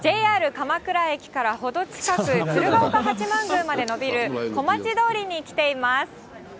鎌倉駅からほど近く、鶴岡八幡宮までのびる小町通りに来ています。